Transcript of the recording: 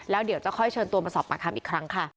แล้วเดี๋ยวจะชนไปสอบปากขามอีกครั้งค่ะ